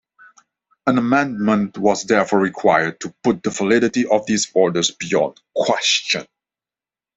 An amendment was therefore required to put the validity of these orders beyond question.